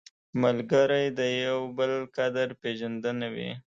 ملګری د یو بل قدر پېژندنه وي